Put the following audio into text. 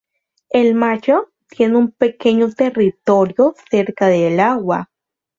El macho tiene un pequeño territorio cerca del agua.